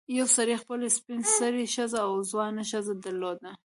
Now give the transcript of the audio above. یو سړي خپله سپین سرې ښځه او ځوانه ښځه درلوده.